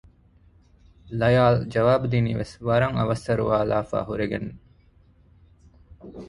ލަޔާލު ޖަވާބުދިނީވެސް ވަރަށް އަވަސް އަރުވާލާފައި ހުރެގެނެން